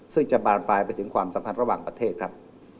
ซึ่งจะบานปลายไปถึงความสัมพันธ์ระหว่างประเทศครับ